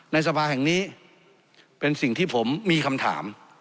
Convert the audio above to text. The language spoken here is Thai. ในสภาแห่งนี้เป็นสิ่งที่ผมมีคำถาม